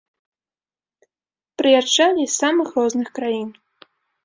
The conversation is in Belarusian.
Прыязджалі з самых розных краін.